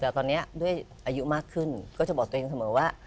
แต่ตอนนี้ด้วยอายุมากขึ้นก็จะบอกตัวเองเสมอว่า